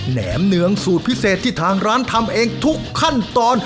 แหมเนืองสูตรพิเศษที่ทางร้านทำเองทุกขั้นตอน